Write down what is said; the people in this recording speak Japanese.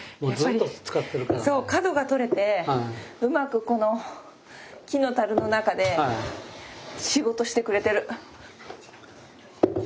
そう角が取れてうまくこの木のたるの中で仕事してくれてる。